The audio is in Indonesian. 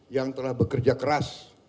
yang telah bekerja keras